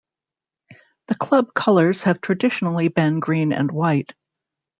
The club colours have traditionally been green and white.